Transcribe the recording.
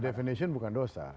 by definition bukan dosa